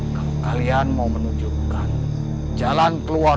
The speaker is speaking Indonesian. baiklah kami akan menunjukkan jalannya